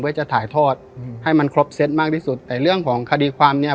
จะถ่ายทอดให้มันครบเซตมากที่สุดแต่เรื่องของคดีความเนี้ย